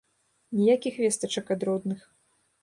Ніякіх вестачак ад родных.